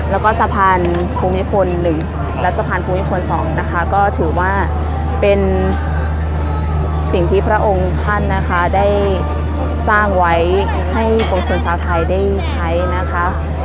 แล้วก็สะพานภูมิพล๑และสะพานภูมิพล๒นะคะก็ถือว่าเป็นสิ่งที่พระองค์ท่านนะคะได้สร้างไว้ให้ปวงชนชาวไทยได้ใช้นะคะ